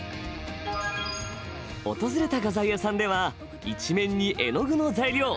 訪れた画材屋さんでは一面に絵の具の材料。